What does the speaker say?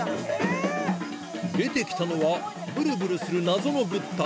出てきたのはブルブルする謎の物体